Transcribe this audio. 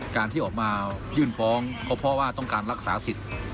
การที่ออกมายื่นฟ้องก็เพราะว่าต้องการรักษาสิทธิ์